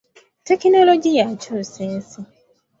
Tekinologiya akyusa ensi.